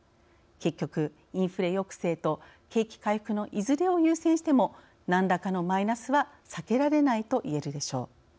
結局、インフレ抑制と景気回復のいずれを優先しても何らかのマイナスは避けられないと言えるでしょう。